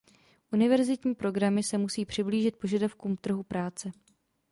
Univerzitní programy se musí přiblížit požadavkům trhu práce.